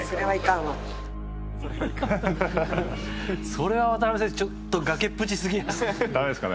それは渡邊選手ちょっと崖っぷちすぎませんか？